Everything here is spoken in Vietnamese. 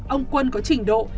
ông quân có trình độ